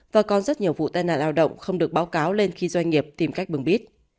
và còn rất nhiều vụ tai nạn lao động không được báo cáo lên khi doanh nghiệp tìm cách bưng bít